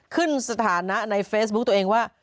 ขึ้นสถานะในเฟซบุ๊คตัวเองว่า